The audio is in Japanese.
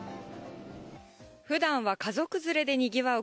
ふだんは家族連れでにぎわう